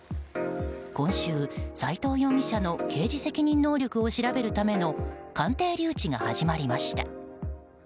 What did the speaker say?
今週、斎藤容疑者の刑事責任能力を調べるための鑑定留置が始まりました。